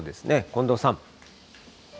近藤さん。